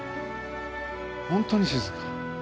本当に静か。